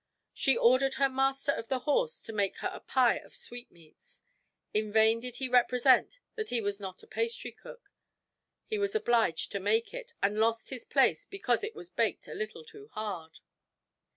She ordered her master of the horse to make her a pie of sweetmeats. In vain did he represent that he was not a pastry cook; he was obliged to make it, and lost his place, because it was baked a little too hard.